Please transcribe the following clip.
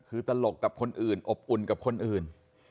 คือตลกกับคนอื่นอบอุ่นกับคนอื่น